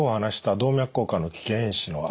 動脈硬化の危険因子の一つ